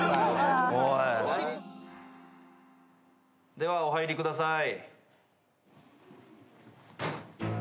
ではお入りください。